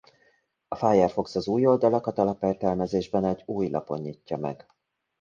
A Firefox az új oldalakat alapértelmezésben egy új lapon nyitja meg.